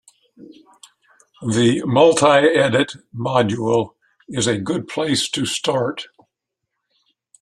The multi-edit module is a good place to start.